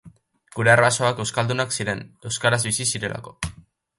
Gure arbasoak euskaldunak ziren, euskaraz bizi zirelako.